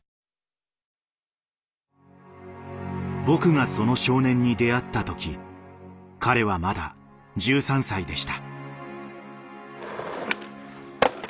僕がその少年に出会った時彼はまだ１３歳でした。